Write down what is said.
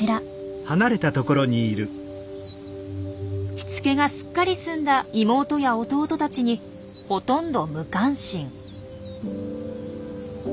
しつけがすっかり済んだ妹や弟たちにほとんど無関心。